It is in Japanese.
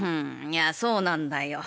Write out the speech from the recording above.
いやそうなんだよ。